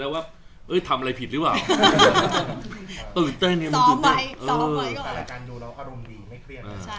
เราก็ตื่นเต้นฝากตัวกับเขาสองคน